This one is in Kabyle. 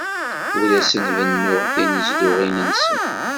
Ur asen-bennuɣ tinezduɣin-nsen.